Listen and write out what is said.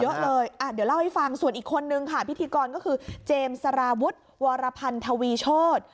เยอะเลยอ่ะเดี๋ยวเล่าให้ฟังส่วนอีกคนนึงค่ะพิธีกรก็คือเจมส์สารวุฒิวรพันธวีโชธ